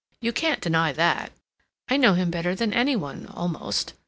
You can't deny that. I know him better than any one, almost.